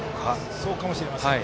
そうかもしれませんね。